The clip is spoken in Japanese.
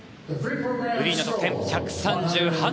フリーの得点１３８．６３。